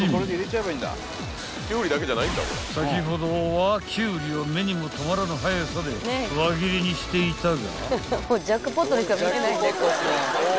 ［先ほどはキュウリを目にも留まらぬ速さで輪切りにしていたが］